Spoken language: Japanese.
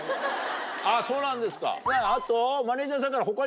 あっそうなんですかあと。